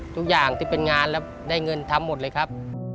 ทุกอย่างที่เป็นงานแล้วได้เงินทำหมดเลยครับ